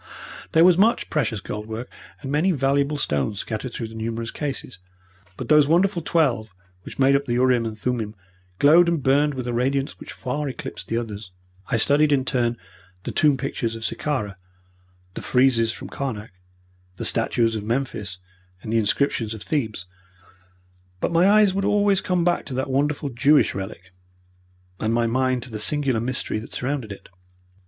There was much precious gold work and many valuable stones scattered through the numerous cases, but those wonderful twelve which made up the urim and thummim glowed and burned with a radiance which far eclipsed the others. I studied in turn the tomb pictures of Sicara, the friezes from Karnak, the statues of Memphis, and the inscriptions of Thebes, but my eyes would always come back to that wonderful Jewish relic, and my mind to the singular mystery which surrounded it.